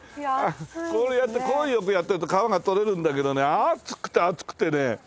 こうやってこういうふうによくやってると殻が取れるんだけどね熱くて熱くてね。